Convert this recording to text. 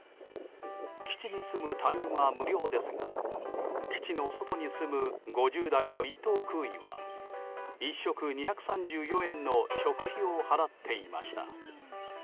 基地に住む隊員は無料ですが基地の外に住む５０代の１等空尉は１食２３４円の食費を払っていました。